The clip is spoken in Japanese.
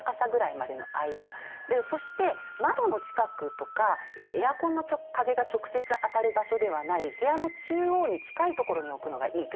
そして窓の近くとかエアコンの風が直接当たる場所ではない部屋の中央に近い所に置くのがいいと言われてるんですね。